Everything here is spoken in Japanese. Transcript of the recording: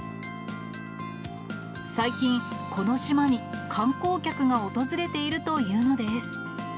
最近、この島に観光客が訪れているというのです。